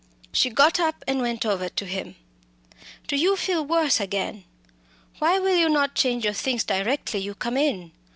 She got up and went over to him. "Do you feel worse again? Why will you not change your things directly you come in?